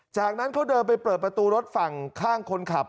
จากนั้นเขาเดินไปเปิดประตูรถฝั่งข้างคนขับ